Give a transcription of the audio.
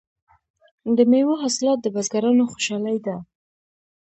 د میوو حاصلات د بزګرانو خوشحالي ده.